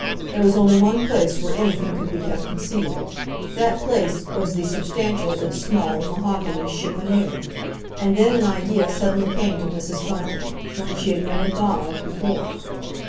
There was only one place where anything could be kept concealed—that place was the substantial if small mahogany chiffonnier. And then an idea suddenly came to Mrs. Bunting, one she had never thought of before.